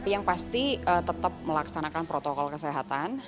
yang pasti tetap melaksanakan protokol kesehatan